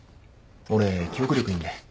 俺記憶力いいんで。